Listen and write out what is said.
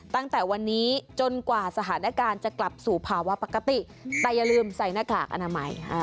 ตั้งแต่วันนี้จนกว่าสถานการณ์จะกลับสู่ภาวะปกติแต่อย่าลืมใส่หน้ากากอนามัย